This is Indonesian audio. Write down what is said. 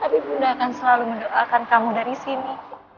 tapi bunda akan selalu mendoakan kamu dari sini